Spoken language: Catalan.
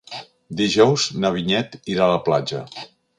Dijous na Vinyet irà a la platja.